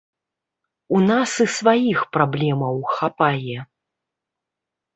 У нас і сваіх праблемаў хапае.